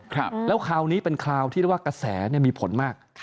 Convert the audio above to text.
ครับแล้วคราวนี้เป็นคราวที่เรียกว่ากระแสมีผลมาก